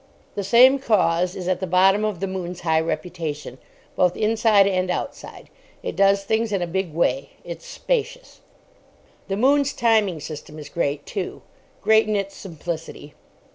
The same cause is at the bottom of the "Moon's" high reputation, both inside and outside. It does things in a big way. It's spacious. The "Moon's" timing system is great, too. Great in its simplicity.